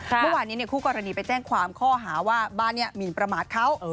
เมื่อวานนี้คู่กรณีไปแจ้งความข้อหาว่าบ้านนี้หมินประมาทเขา